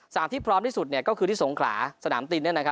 สนามที่พร้อมที่สุดเนี่ยก็คือที่สงขลาสนามตินนั่นนะครับ